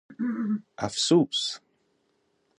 افسوس!